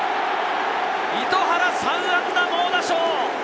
糸原、３安打猛打賞！